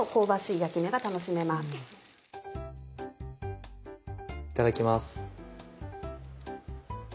いただきます。